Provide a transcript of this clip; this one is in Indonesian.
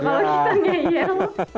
kalau kita ngeyel